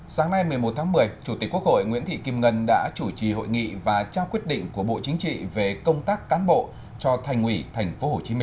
sáng nay một mươi một tháng một mươi chủ tịch quốc hội nguyễn thị kim ngân đã chủ trì hội nghị và trao quyết định của bộ chính trị về công tác cán bộ cho thành ủy tp hcm